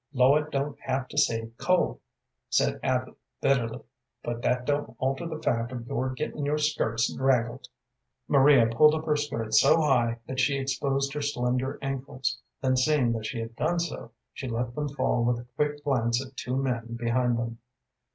"Lloyd don't have to save coal," said Abby, bitterly, "but that don't alter the fact of your getting your skirts draggled." Maria pulled up her skirts so high that she exposed her slender ankles, then seeing that she had done so, she let them fall with a quick glance at two men behind them.